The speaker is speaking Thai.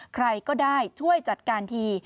ใครก็ได้ช่วยจัดการที